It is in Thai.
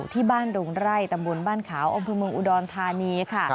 ที่บ้านดงไร่ตำบลบ้านขาวอบรมเมืองอุดรณฑานีค่ะ